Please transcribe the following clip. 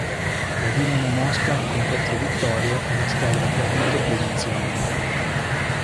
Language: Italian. La Dinamo Mosca con quattro vittorie è la squadra che ha vinto più edizioni.